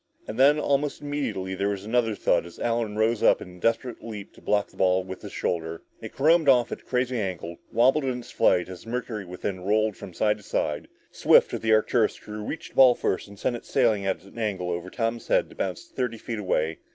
And then almost immediately there was another thud as Allen rose in a desperate leap to block the ball with his shoulder. It caromed off at a crazy angle, wobbling in its flight as the mercury within rolled from side to side. Swift, of the Arcturus crew, reached the ball first and sent it sailing at an angle over Tom's head to bounce thirty feet away.